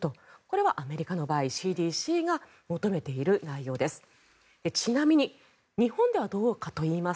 これはアメリカの場合ＣＤＣが求めている内容です。